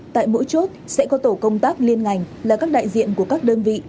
tại mỗi chốt sẽ có tổ công tác liên ngành là các đại diện của các đơn vị